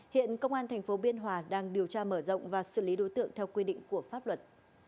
hiện công an tp biên hòa đang điều tra mở rộng và xử lý đối tượng theo quy định của pháp luật